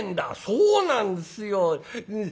「そうなんですよ」。